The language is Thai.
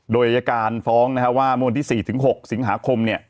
โดยอายการฟ้องว่าเมื่อวันที่๔๖สิงหาคม